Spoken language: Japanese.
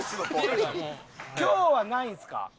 今日はないんですか？